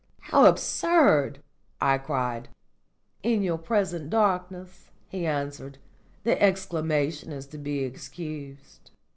"How absurd!" I cried. "In your present darkness," he answered, "the exclamation is to be excused.